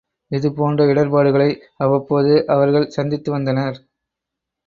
இது போன்ற இடர்ப்பாடுகளை அவ்வப்போது அவர்கள் சந்தித்து வந்தனர்.